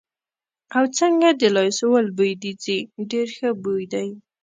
او، څنګه د لایسول بوی دې ځي، ډېر ښه بوی دی.